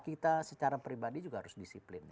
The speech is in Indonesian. kita secara pribadi juga harus disiplin